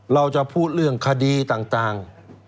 เราจะพูดเรื่องคดีต่าง